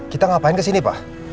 kita ngapain kesini pak